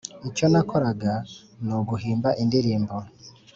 icyo nakoraga ni uguhimba indirimbo